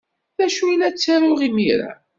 D acu la ttaruɣ imir-a?